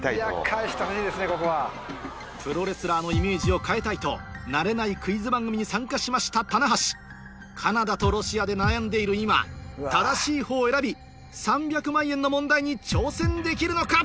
プロレスラーのイメージを変えたいと慣れないクイズ番組に参加しました棚橋カナダとロシアで悩んでいる今正しいほうを選び３００万円の問題に挑戦できるのか？